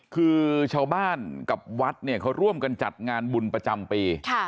คือชาวบ้านกับวัดเนี่ยเขาร่วมกันจัดงานบุญประจำปี